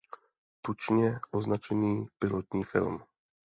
Tučně označený pilotní film.